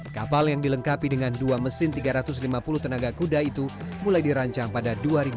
kapal yang dilengkapi dengan dua mesin tiga ratus lima puluh tenaga kuda itu mulai dirancang pada dua ribu dua puluh